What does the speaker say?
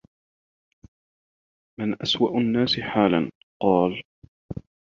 مَنْ أَسْوَأُ النَّاسِ حَالًا ؟ قَالَ